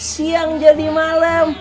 siang jadi malem